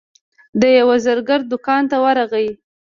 د یوه زرګر دوکان ته ورغی.